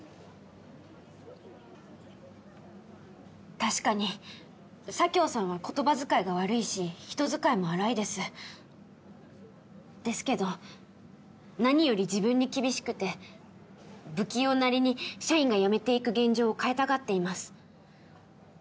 確かに佐京さんは言葉遣いが悪いし人使いも荒いですですけど何より自分に厳しくて不器用なりに社員が辞めていく現状を変えたがっています